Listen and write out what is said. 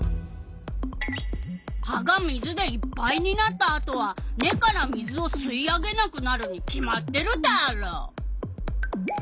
葉が水でいっぱいになったあとは根から水を吸い上げなくなるに決まってるダーロ！